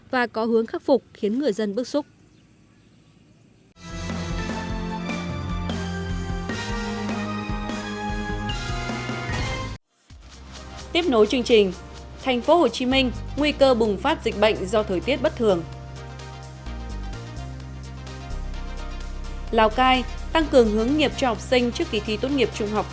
và có hướng khắc phục khiến người dân bức xúc